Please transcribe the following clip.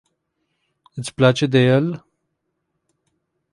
Iti place de el?